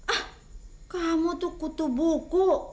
ah kamu tuh kutub buku